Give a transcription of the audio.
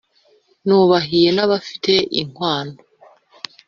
nubahiye n’abafite inkwano